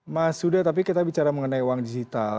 mas huda tapi kita bicara mengenai uang digital